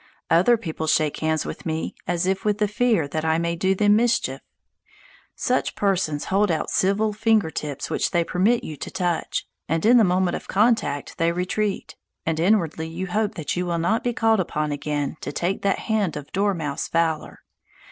Other people shake hands with me as if with the fear that I may do them mischief. Such persons hold out civil finger tips which they permit you to touch, and in the moment of contract they retreat, and inwardly you hope that you will not be called upon again to take that hand of "dormouse valour."